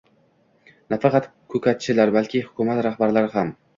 nafaqat ko‘katchilar, balki hukumat rahbarlari ham.